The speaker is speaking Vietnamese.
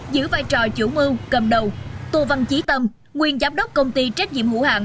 giữ vai trò chủ mưu cầm đầu tô văn chí tâm nguyên giám đốc công ty trách nhiệm hữu hạng